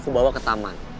aku bawa ke taman